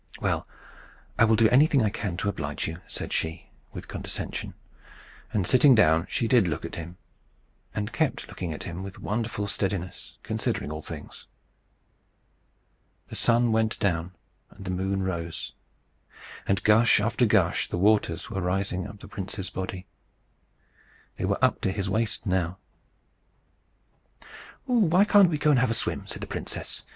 "Well, I will do anything I can to oblige you," answered she, with condescension; and, sitting down, she did look at him, and kept looking at him with wonderful steadiness, considering all things. The sun went down, and the moon rose, and, gush after gush, the waters were rising up the prince's body. They were up to his waist now. "Why can't we go and have a swim?" said the princess.